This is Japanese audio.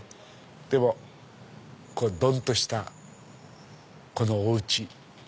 でもドン！としたこのおうち。